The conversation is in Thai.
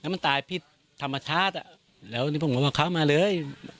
แล้วมันตายผิดธรรมชาติแล้วผมบอกว่าเขามาเลย